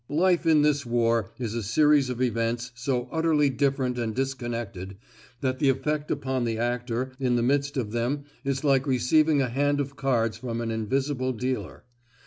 Life in this war is a series of events so utterly different and disconnected, that the effect upon the actor in the midst of them is like receiving a hand of cards from an invisible dealer.